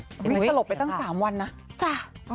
สลบไปตั้ง๓วันนะจ้ะอ๋อ